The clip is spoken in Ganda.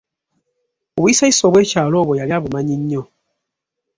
Obuyisayisa obwekyalo obwo yali abumanyi nnyo.